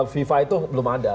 fifa itu belum ada